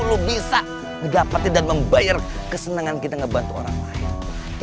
lu bisa dapetin dan membayar kesenangan kita ngebantu orang lain